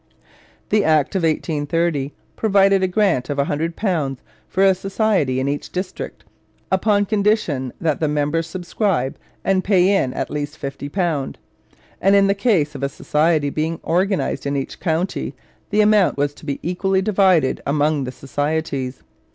The act of 1830 provided a grant of £100 for a society in each district, upon condition that the members subscribed and paid in at least £50, and in the case of a society being organized in each county the amount was to be equally divided among the societies.